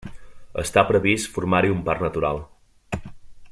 Està previst formar-hi un parc natural.